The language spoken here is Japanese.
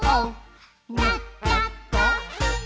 「なっちゃった！」